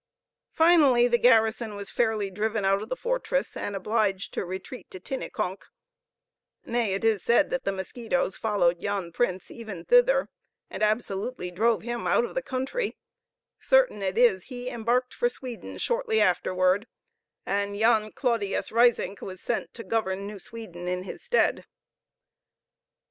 Finally, the garrison was fairly driven out of the fortress, and obliged to retreat to Tinnekonk; nay, it is said that the mosquitos followed Jan Printz even thither, and absolutely drove him out of the country; certain it is, he embarked for Sweden shortly afterward, and Jan Claudius Risingh was sent to govern New Sweden in his stead.